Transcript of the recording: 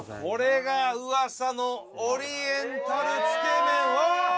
これがうわさのオリエンタルつけ麺おぉ！